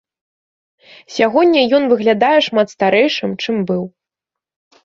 Сягоння ён выглядае шмат старэйшым, чым быў.